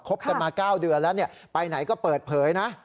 บกันมา๙เดือนแล้วไปไหนก็เปิดเผยนะ